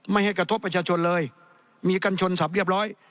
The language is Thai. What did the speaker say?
ไม่ให้กระทบประชาชนเลยมีกันชนสับเรียบร้อย